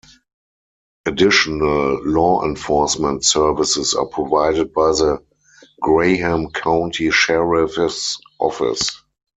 Additional law enforcement services are provided by the Graham County Sheriff's Office.